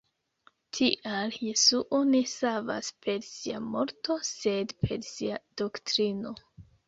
Tial Jesuo ne savas per sia morto, sed per sia doktrino.